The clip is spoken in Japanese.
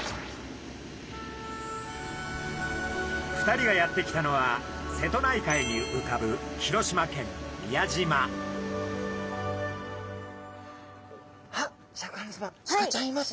２人がやって来たのは瀬戸内海にうかぶあっシャーク香音さま